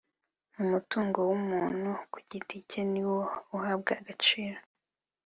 n’ umutungo wumuntu kugiticye niwo uhabwa agaciro